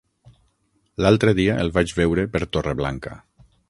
L'altre dia el vaig veure per Torreblanca.